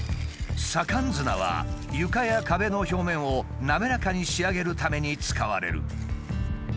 左官砂は床や壁の表面を滑らかに仕上げるために使われる。